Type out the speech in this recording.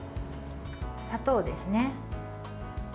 砂糖ですね。